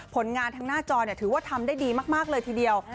ผลงานทางหน้าจอถือว่าทำได้ดีมากเลยทีเดียว